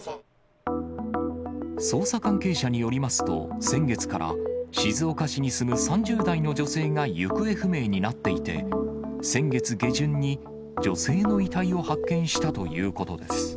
捜査関係者によりますと、先月から静岡市に住む３０代の女性が行方不明になっていて、先月下旬に女性の遺体を発見したということです。